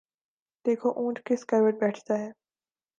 دیکھو اونٹ کس کروٹ بیٹھتا ہے ۔